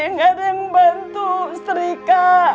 nggak ada yang bantu serika